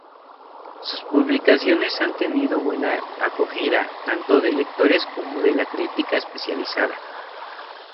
Sus publicaciones han tenido buena acogida, tanto de lectores como de la crítica especializada.